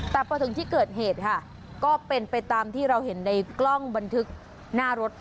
แต่พอถึงที่เกิดเหตุค่ะก็เป็นไปตามที่เราเห็นในกล้องบันทึกหน้ารถ